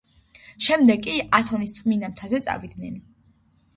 შემდეგ კი ათონის წმიდა მთაზე წავიდნენ.